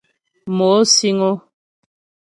Mo síŋ ó.